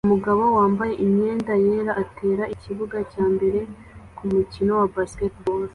Umugabo wambaye imyenda yera atera ikibuga cyambere kumukino wa baseball